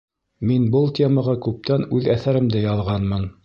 Мин был темаға күптән үҙ әҫәремде яҙғанмын.